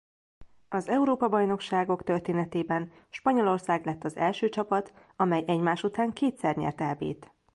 Az Európa-bajnokságok történetében Spanyolország lett az első csapat amely egymás után kétszer nyert Eb-t.